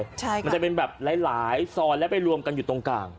มันจะเป็นแบบหลายซอนและไปรวมกันอยู่ตรงกลาง